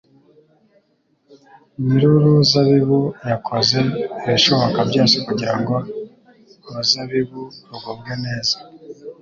Nyir'uruzabibu yakoze ibishoboka byose kugira ngo uruzabibu rugubwe neza.